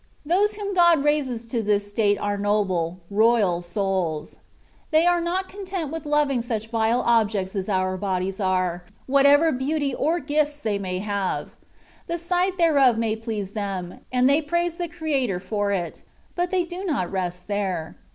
Those whom God raises to this state are noble royal souls. They are not content with loving such vile objects as our bodies are, whatever beauty or gifts they may have ; the sight thereof may please them, and they praise the Creator for it ; but they do not rest there.